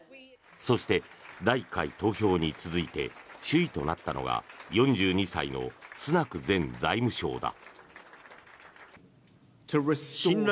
そして、第１回投票に続いて首位となったのが４２歳のスナク前財務相だ。